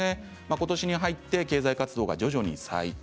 ことしに入って経済活動が徐々に再開。